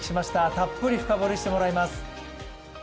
たっぷり深掘りしてもらいます。